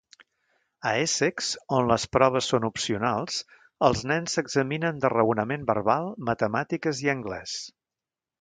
A Essex, on les proves són opcionals, els nens s'examinen de Raonament Verbal, Matemàtiques i Anglès.